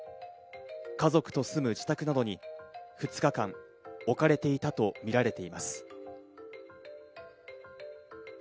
家族と住む自宅などに２日間、置かれていたとみられています。